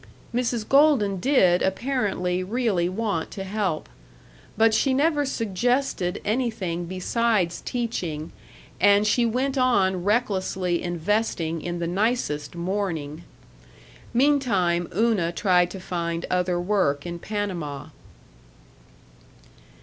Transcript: Mrs. Golden did, apparently, really want to help. But she never suggested anything besides teaching, and she went on recklessly investing in the nicest mourning. Meantime Una tried to find other work in Panama.